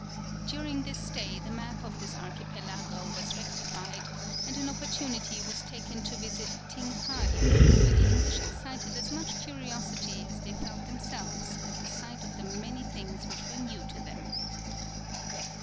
During this stay the map of this archipelago was rectified and an opportunity was taken to visit Tinghai, where the English excited as much curiosity as they felt themselves at the sight of the many things which were new to them.